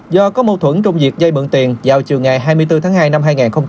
do có mâu thuẫn trong việc dây mượn tiền vào chiều ngày hai mươi bốn tháng hai năm hai nghìn hai mươi